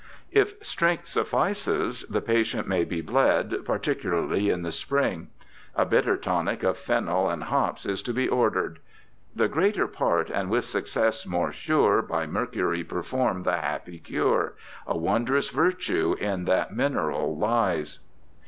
If strength suffices, the patient may be bled, par ticularly in the spring. A bitter tonic of fennel and hops is to be ordered. The greater part, and with success more sure. By mercury perform the happy cure ; A wondrous virtue in that mineral lies.